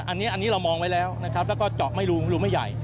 อันนี้เรามองไว้แล้วนะครับแล้วก็เจาะไม่รู้รูไม่ใหญ่